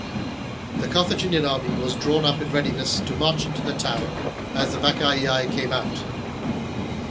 The Carthaginian army were drawn up in readiness to march into the town as the Vacaei came out.